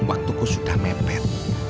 aku sudah mepet